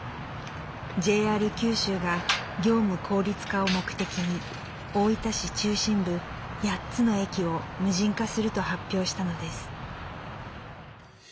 ＪＲ九州が業務効率化を目的に大分市中心部８つの駅を無人化すると発表したのです。